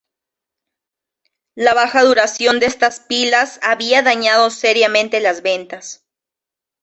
La baja duración de estas pilas había dañando seriamente las ventas.